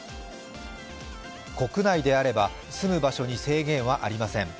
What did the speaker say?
国内であれば、住む場所に制限はありません。